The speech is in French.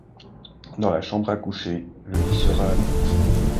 dans la chambre à coucher, le lit sera à latte